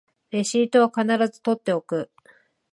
レシートは必ず取っておく